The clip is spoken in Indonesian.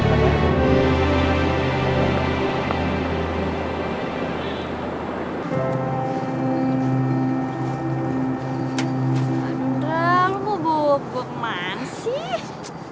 aduh lo mau bawa gue kemana sih